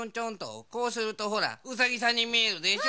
こうするとほらうさぎさんにみえるでしょ。